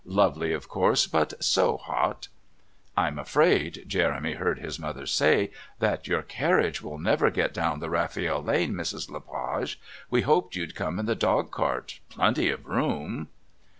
Lovely, of course, but so hot." "I'm afraid," Jeremy heard his mother say, "that your carriage will never get down the Rafiel Lane, Mrs. Le Page. We hoped you'd come in the dog cart. Plenty of room..."